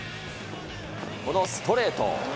このストレート。